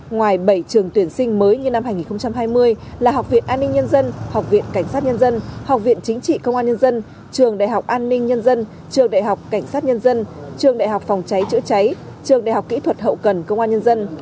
ngoài bảy trường tuyển sinh mới như năm hai nghìn hai mươi là học viện an ninh nhân dân học viện cảnh sát nhân dân học viện chính trị công an nhân dân trường đại học an ninh nhân dân trường đại học cảnh sát nhân dân trường đại học phòng cháy chữa cháy trường đại học kỹ thuật hậu cần công an nhân dân